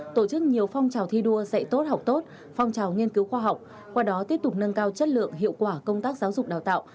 tổ chức nhiều phong trào thi đua dạy tốt học tốt phong trào nghiên cứu khoa học qua đó tiếp tục nâng cao chất lượng hiệu quả công tác giáo dục đào tạo